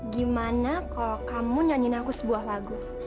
gimana kalau kamu nyanyiin aku sebuah lagu